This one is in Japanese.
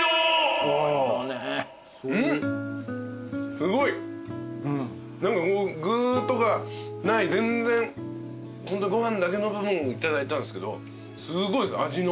すごい。何か具とかない全然ホントご飯だけの部分いただいたんですけどすごいです味の。